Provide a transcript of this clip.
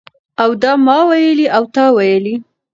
او د ما ویلي او تا ویلي